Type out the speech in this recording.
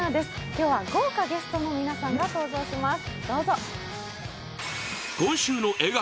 今日は豪華ゲストの皆さんが登場します。